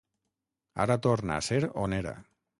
Ara torna a ser on era.